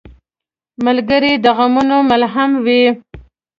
ملګری د غمونو ملهم وي.